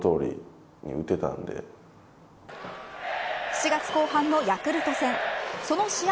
７月後半のヤクルト戦その試合